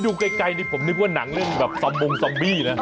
ดูใกล้ผมนึกว่านังเล่นแบบซอมบุงซอมบี้นะ